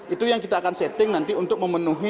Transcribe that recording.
itu yang kita akan setting nanti untuk memenuhi